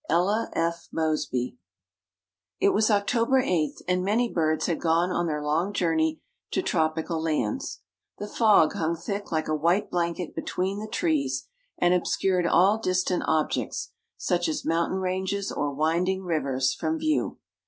ELLA F. MOSBY. It was October 8, and many birds had gone on their long journey to tropical lands. The fog hung thick like a white blanket between the trees, and obscured all distant objects, such as mountain ranges or winding rivers, from view.